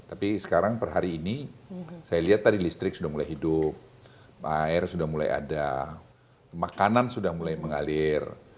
tapi sekarang per hari ini saya lihat tadi listrik sudah mulai hidup air sudah mulai ada makanan sudah mulai mengalir